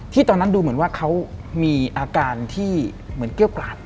ตอนนั้นดูเหมือนว่าเขามีอาการที่เหมือนเกี้ยวกราด